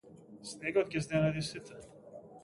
Снегот ги изненади сите.